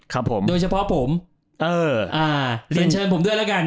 ครับผมโดยเฉพาะผมเอออ่าเรียนเชิญผมด้วยแล้วกัน